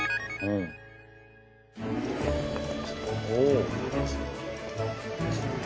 お。